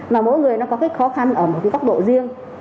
mà mỗi người nó có cái khó khăn ở một cái góc độ riêng